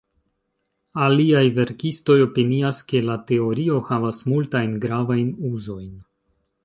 Aliaj verkistoj opinias, ke la teorio havas multajn gravajn uzojn.